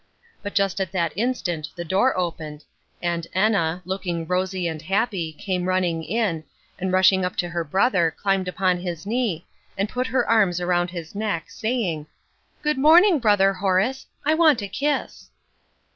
But just at that instant the door opened, and Enna, looking rosy and happy, came running in, and rushing up to her brother, climbed upon his knee, and put her arms around his neck, saying, "Good morning, brother Horace. I want a kiss."